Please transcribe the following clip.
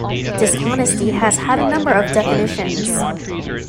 Dishonesty has had a number of definitions.